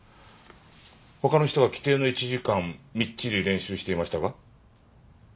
他の人は規定の１時間みっちり練習していましたが。